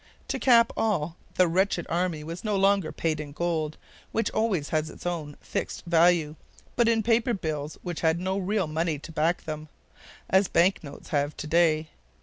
To cap all, the wretched army was no longer paid in gold, which always has its own fixed value, but in paper bills which had no real money to back them, as bank notes have to day.